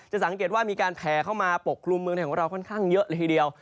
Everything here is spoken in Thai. สังเกตว่ามีการแผลเข้ามาปกคลุมเมืองไทยของเราค่อนข้างเยอะเลยทีเดียว